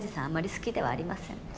あまり好きではありません。